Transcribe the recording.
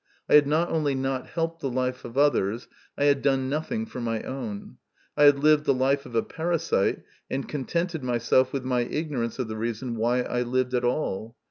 I had not only not helped the life of others, I had done nothing for my own. I had lived the life of a parasite, and contented myself with my ignorance of the reason why I lived at all.